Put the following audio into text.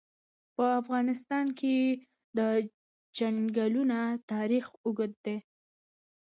په افغانستان کې د چنګلونه تاریخ اوږد دی.